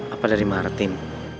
apa dari martin